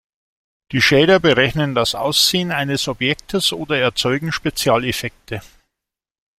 Die Shader berechnen das Aussehen eines Objektes oder erzeugen Spezialeffekte.